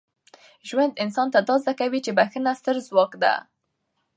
ژوند انسان ته دا زده کوي چي بخښنه ستره ځواک ده.